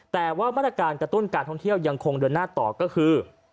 แต่ว่ามาตรการกระตุ้นการท่องเที่ยวยังคงเดินหน้าต่อก็คือ